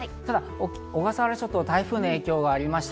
小笠原諸島、台風の影響がありました。